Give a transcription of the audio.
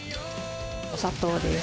お砂糖です。